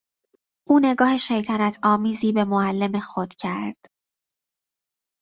او نگاه شیطنت آمیزی به معلم خود کرد.